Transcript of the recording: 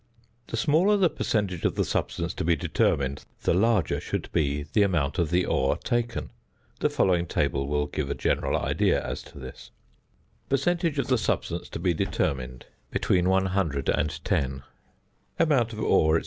The smaller the percentage of the substance to be determined, the larger should be the amount of the ore taken. The following table will give a general idea as to this: Percentage of the substance Amount of ore, &c.